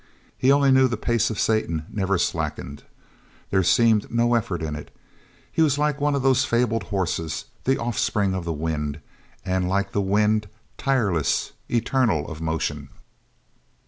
He only knew the pace of Satan never slackened. There seemed no effort in it. He was like one of those fabled horses, the offspring of the wind, and like the wind, tireless, eternal of motion.